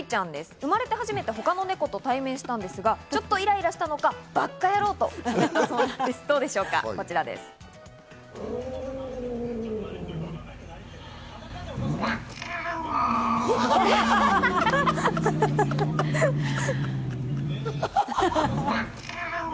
生まれて初めて他の猫と対面したんですが、ちょっとイライラしたのか、ばっかやろと言アハハハハ。